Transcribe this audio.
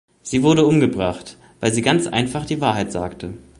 Sie wurde umgebracht, weil sie ganz einfach die Wahrheit sagte.